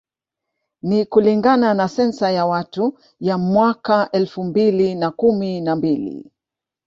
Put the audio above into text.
Ni kulingana na sensa ya watu ya mwaka elfu mbili na kumi na mbili